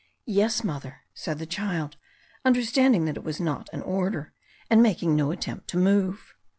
"Yes, Mother," said the child, understanding that it was not an order, and making no attempt to move.